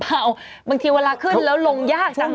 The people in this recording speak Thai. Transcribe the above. เปล่าบางทีเวลาขึ้นแล้วลงยากต่างกัน